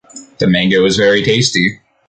The mango was very tasty.